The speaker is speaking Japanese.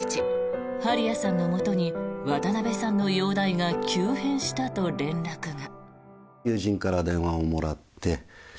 そして、先月２６日針谷さんのもとに渡辺さんの容体が急変したと連絡が。